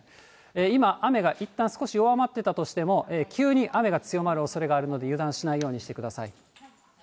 今、雨がいったん少し弱まってたとしても、急に雨が強まるおそれがあるので、油断しないようにしてください。